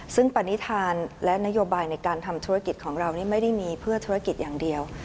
ซึ่งปณิธานและนโยบายในการทำธุรกิจของเรานี่ไม่ได้มีเพื่อธุรกิจอย่างเดียว